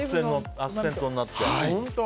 アクセントになっていいね。